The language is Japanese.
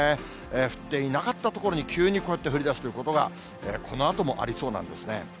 降っていなかった所に急にこうやって降りだすということが、このあともありそうなんですね。